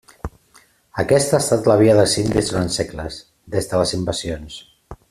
Aquesta ha estat la via dels indis durant segles, des de les invasions.